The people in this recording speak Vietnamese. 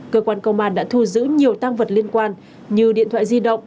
cơ quan công an đã thu giữ nhiều tăng vật liên quan như điện thoại di động